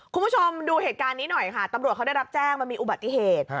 คุณผู้ชมดูเหตุการณ์นี้หน่อยค่ะตำรวจเขาได้รับแจ้งมันมีอุบัติเหตุ